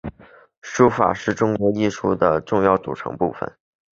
书法是中国艺术的重要组成部份。